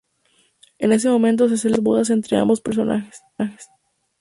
En ese momento se celebran las bodas entre ambos personajes.